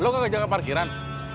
lo kaga jalan ke parkiran